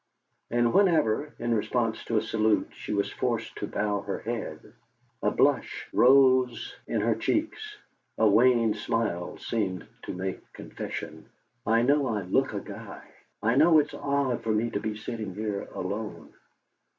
And whenever, in response to a salute, she was forced to bow her head, a blush rose in her cheeks, a wan smile seemed to make confession: "I know I look a guy; I know it's odd for me to be sitting here alone!"